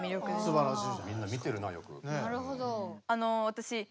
すばらしい。